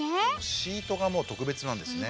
シートがもうとくべつなんですね。